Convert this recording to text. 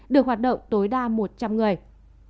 được hoạt động tối đa một mươi năm người một nhóm